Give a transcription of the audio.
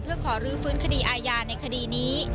เพื่อขอรื้อฟื้นคดีอาญาในคดีนี้